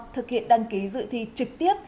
thực hiện đăng ký dự thi trực tiếp